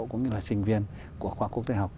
cũng như là sinh viên của khoa quốc tế học